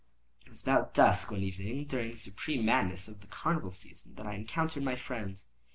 It was about dusk, one evening during the supreme madness of the carnival season, that I encountered my friend.